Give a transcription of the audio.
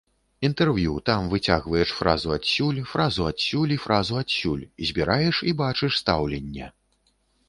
Інтэрв'ю, там выцягваеш фразу адсюль, фразу адсюль і фразу адсюль, збіраеш і бачыш стаўленне.